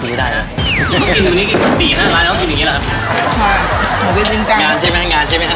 งานใช่มั้ยงานใช่มั้ยครับ